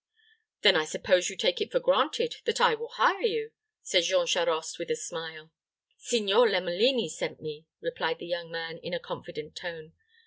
"Then I suppose you take it for granted that I will hire you?" said Jean Charost, with a smile. "Signor Lomelini sent me," replied the young man, in a confident tone.